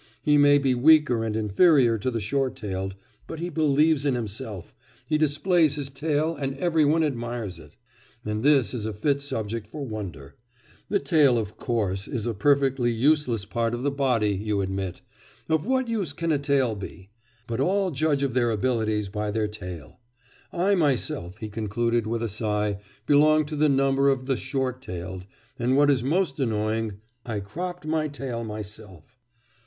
He may be weaker and inferior to the short tailed; but he believes in himself; he displays his tail and every one admires it. And this is a fit subject for wonder; the tail, of course, is a perfectly useless part of the body, you admit; of what use can a tail be? but all judge of their abilities by their tail. 'I myself,' he concluded with a sigh, 'belong to the number of the short tailed, and what is most annoying, I cropped my tail myself.